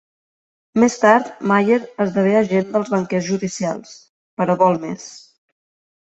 Més tard, Mayer esdevé agent dels banquers judicials, però vol més.